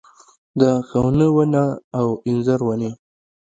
د ښونه ونه او انځر ونې